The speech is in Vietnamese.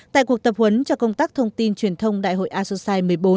tại cuộc tập huấn cho công tác thông tin truyền thông đại hội asosai một mươi bốn